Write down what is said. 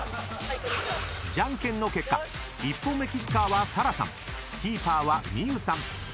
［じゃんけんの結果１本目キッカーは紗来さんキーパーは望結さん］